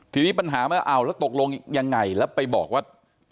ทีนี้ปัญหามันเอาแล้วตกลงยังไงแล้วไปบอกว่า